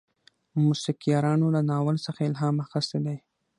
موسیقارانو له ناول څخه الهام اخیستی دی.